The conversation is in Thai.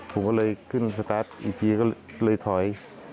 ผมก็เลยขึ้นสตาร์ทอีกทีก็เลยถอย